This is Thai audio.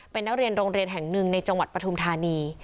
เป็นนักเรียนโรงเรียนแห่งหนึ่งในจังหวัดปฐุมธานี